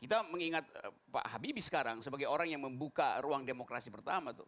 kita mengingat pak habibie sekarang sebagai orang yang membuka ruang demokrasi pertama tuh